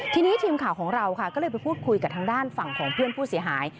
ทีนี้ทีมข่าวของเราค่ะก็เลยไปพูดคุยกับทางด้านฝั่งของเพื่อนผู้เสียหาย